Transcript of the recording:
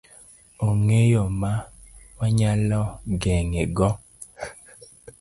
Onge yo ma wanyalo geng'e go?